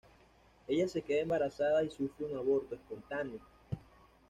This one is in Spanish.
Ella se queda embarazada y sufre un aborto espontáneo.